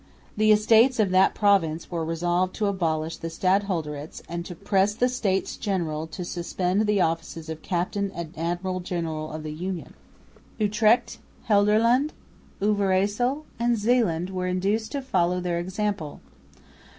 The Estates of that province were resolved to abolish the stadholderates and to press the States General to suspend the offices of Captain and Admiral General of the Union. Utrecht, Gelderland, Overyssel and Zeeland were induced to follow their example.